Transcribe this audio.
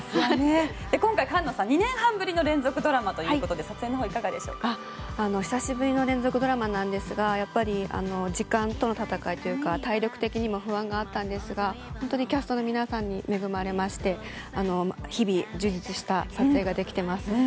今回菅野さん２年半ぶりの連続ドラマということで撮影のほうは久しぶりの連続ドラマなんですがやっぱり時間との戦いというか体力的にも不安があったんですが本当にキャストの皆さんにも恵まれまして日々充実した撮影ができてます。